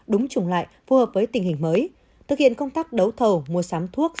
đúng chủng lại phù hợp với tình hình mới thực hiện công tác đấu thầu mua sắm thuốc